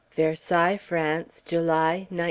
VERSAILLES, FRANCE, July, 1913.